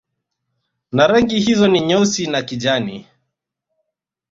Na rangi hizo ni Nyeusi na kijani